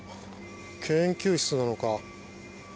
研究室なのか。